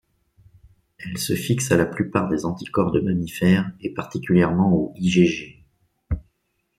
Elle se fixe à la plupart des anticorps de mammifères, et particulièrement aux IgG.